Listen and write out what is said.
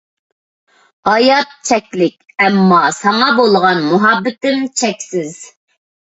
ھايات چەكلىك، ئەمما ساڭا بولغان مۇھەببىتىم چەكسىز.